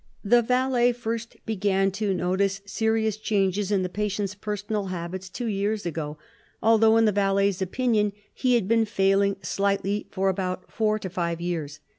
The valet first began to notice serious changes in the patient's personal habits two years ago, although in the valet's opinion, he had been failing slightly for about four to five years.